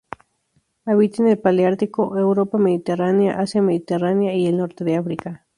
Habita en el paleártico: Europa mediterránea, Asia mediterránea y el norte de África.